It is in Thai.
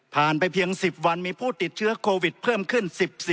ไปเพียง๑๐วันมีผู้ติดเชื้อโควิดเพิ่มขึ้น๑๔